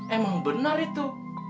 emang benar itu